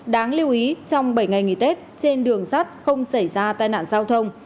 đáng lưu ý trong bảy ngày nghỉ tết trên đường sắt không xảy ra tai nạn giao thông